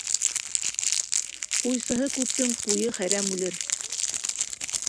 Ҡуйсыһы күптең ҡуйы хәрәм үлер.